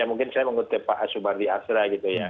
ya mungkin saya mengutip pak asubardi asra gitu ya